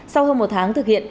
sau hơn một tháng thực hiện